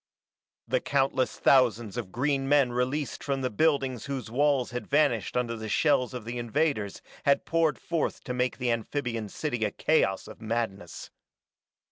The countless thousands of green men released from the buildings whose walls had vanished under the shells of the invaders had poured forth to make the amphibian city a chaos of madness.